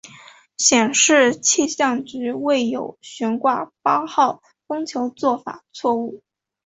显示气象局未有悬挂八号风球做法错误。